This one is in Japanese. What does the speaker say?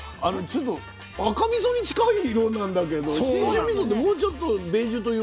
ちょっと赤みそに近い色なんだけど信州みそってもうちょっとベージュというかね。